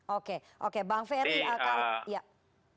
oke oke bang ferry akan ya